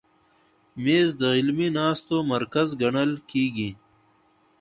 مېز د علمي ناستو مرکز ګڼل کېږي.